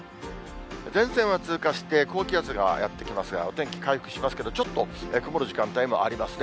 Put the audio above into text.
前線は通過して、高気圧がやって来ますが、お天気、回復しますけど、ちょっと、曇る時間帯もありますね。